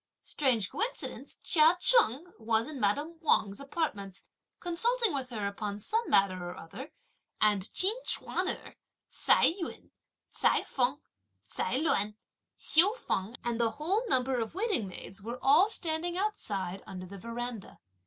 Strange coincidence Chia Cheng was in madame Wang's apartments consulting with her upon some matter or other, and Chin Ch'uan erh, Ts'ai Yun, Ts'ai Feng, Ts'ai Luan, Hsiu Feng and the whole number of waiting maids were all standing outside under the verandah.